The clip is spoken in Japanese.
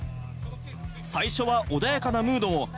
最初は穏やかなムード。